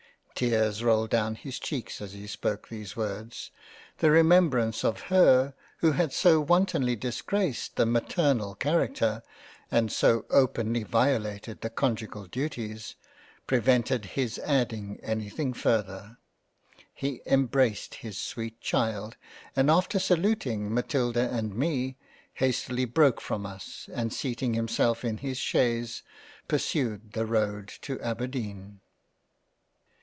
Tears rolled down his cheeks as he spoke these words — the remembrance of her, who had so wantonly dis graced the Maternal character and so openly violated the conjugal Duties, prevented his adding anything farther ; he embraced his sweet Child and after saluting Matilda and Me hastily broke from us and seating himself in his Chaise, pur sued the road to Aberdeen.